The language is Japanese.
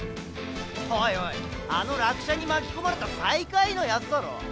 おいおいあの落車に巻き込まれた最下位のヤツだろ？